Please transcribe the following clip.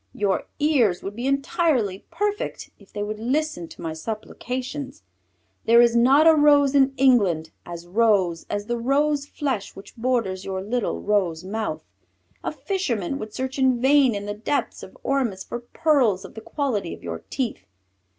Your ears would be entirely perfect if they would listen to my supplications. There is not a rose in England as rose as the rose flesh which borders your little rose mouth. A fisherman would search in vain in the depths of Ormus for pearls of the quality of your teeth.